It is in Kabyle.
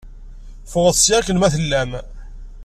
Ffɣet seg-a! Akken ma tellam!